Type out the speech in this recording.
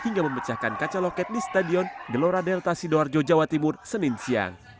hingga memecahkan kaca loket di stadion gelora delta sidoarjo jawa timur senin siang